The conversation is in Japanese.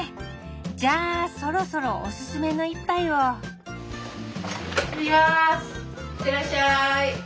じゃあそろそろおすすめの一杯をいってらっしゃい。